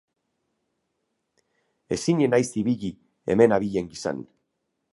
Ezinen haiz ibili hemen habilen gisan.